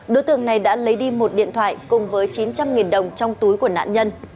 đối tượng này đã lấy đi một điện thoại cùng với chín trăm linh đồng trong túi của nạn nhân